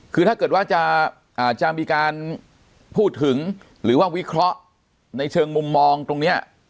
คือถ้าเกิดว่าจะมีการพูดถึงหรือว่าวิเคราะห์ในเชิงมุมมองตรงนี้